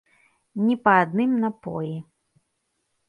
Ні па адным напоі!